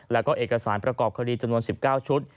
แล้วก็เอกสารประกอบคดีจำนวน๑๙ชุด